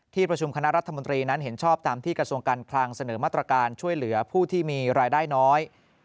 ประชุมคณะรัฐมนตรีนั้นเห็นชอบตามที่กระทรวงการคลังเสนอมาตรการช่วยเหลือผู้ที่มีรายได้น้อย